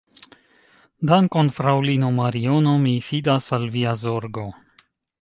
Dankon, fraŭlino Mariono, mi fidas al via zorgo.